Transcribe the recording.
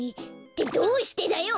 ってどうしてだよ！